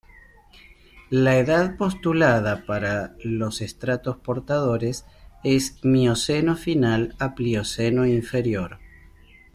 La edad postulada para los estratos portadores es Mioceno final a Plioceno inferior.